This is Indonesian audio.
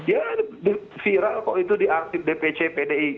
ya viral kok itu di arti dpc pdi